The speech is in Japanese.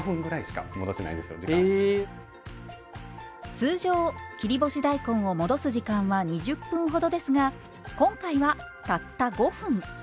通常切り干し大根を戻す時間は２０分ほどですが今回はたった５分。